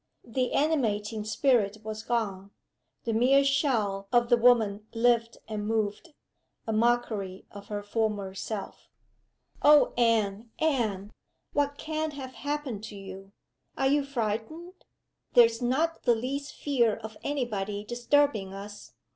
The animating spirit was gone the mere shell of the woman lived and moved, a mockery of her former self. "Oh, Anne! Anne! What can have happened to you? Are you frightened? There's not the least fear of any body disturbing us.